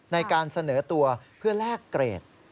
ในการเสนอตัวเพื่อแลกเกรด